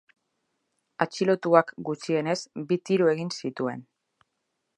Atxilotuak gutxienez bi tiro egin zituen.